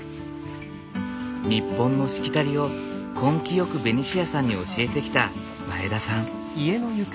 日本のしきたりを根気よくベニシアさんに教えてきた前田さん。